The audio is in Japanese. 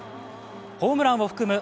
ホームランを含む